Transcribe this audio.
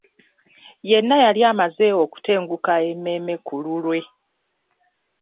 Yenna yali amaze okutenguka emmeeme ku lulwe.